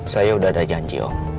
saya sudah ada janji om